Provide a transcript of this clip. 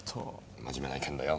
真面目な意見だよ。